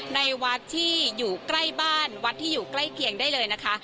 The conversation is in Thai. ในวัดที่อยู่ใกล้บ้านวัดที่อยู่ใกล้เคียงได้เลยนะคะ